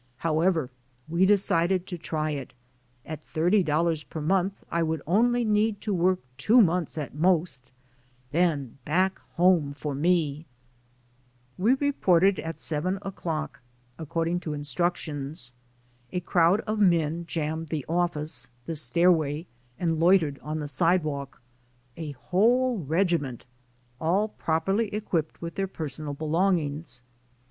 However, we decided to try it. At $30 per month I would only need to work two months at most; then back home for me! 84 THE SOUL OF AN IMMIGRANT We reported at seven o'clock according to in structions. A crowd of men jammed the office, the stairway, and loitered on the sidewalk a whole reg iment, all properly equipped with their personal be longings.